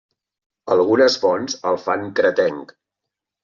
Algunes fonts el fan cretenc.